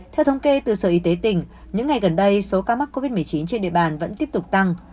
theo thống kê từ sở y tế tỉnh những ngày gần đây số ca mắc covid một mươi chín trên địa bàn vẫn tiếp tục tăng